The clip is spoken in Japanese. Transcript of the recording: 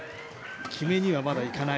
決めには、まだいかない。